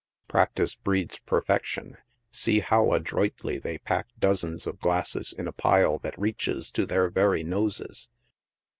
Practice breeds perfection, see how adroitly they pack dozens of glasses in a pile that reaches to their very noses.